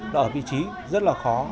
nó ở vị trí rất là khó